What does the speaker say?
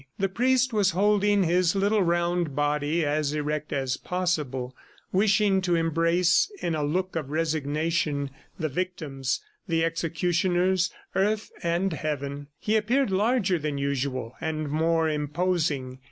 The priest was holding his little round body as erect as possible, wishing to embrace in a look of resignation the victims, the executioners, earth and heaven. He appeared larger than usual and more imposing.